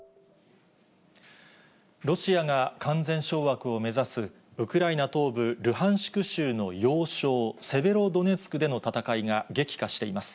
ロシアが完全掌握を目指す、ウクライナ東部ルハンシク州の要衝、セベロドネツクでの戦いが激化しています。